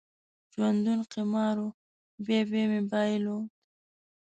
ژوندون قمار و، بیا بیا مې بایلود